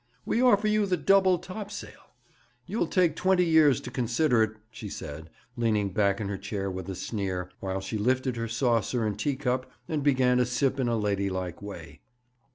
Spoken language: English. We offer you the double topsail. You'll take twenty years to consider it,' she said, leaning back in her chair with a sneer, while she lifted her saucer and teacup and began to sip in a ladylike way.